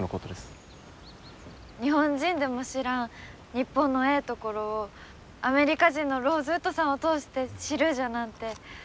日本人でも知らん日本のええところをアメリカ人のローズウッドさんを通して知るじゃなんて